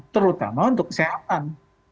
terutama untuk kesehatan